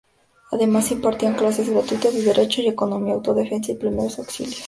Además, impartían clases gratuitas de derecho y economía, autodefensa y primeros auxilios.